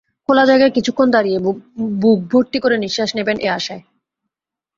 খোলা জায়গায় কিছুক্ষণ দাঁড়িয়ে বুক ভর্তি করে নিঃশ্বাস নেবেন, এ-আশায়।